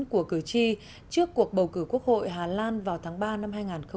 của cử tri trước cuộc bầu cử quốc hội hà lan vào tháng ba năm hai nghìn hai mươi